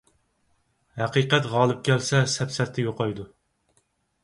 ھەقىقەت غالىب كەلسە سەپسەتە يوقايدۇ.